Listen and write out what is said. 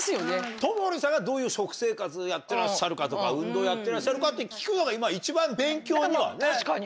友利さんがどういう食生活やってらっしゃるかとか運動やってらっしゃるかって聞くのが今一番勉強にはね。